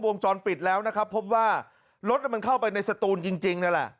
วงจรปิดแล้วนะครับพบว่ารถมันเข้าไปในสตูนจริงนั่นแหละ